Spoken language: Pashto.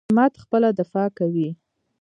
همت خپله دفاع کوي.